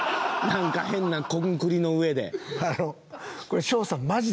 なんか変なコンクリの上で。